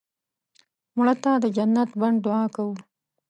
مړه ته د جنت بڼ دعا کوو